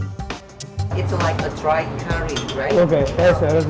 ini seperti kari kering bukan